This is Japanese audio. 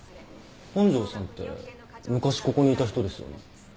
本庄さんって昔ここにいた人ですよね？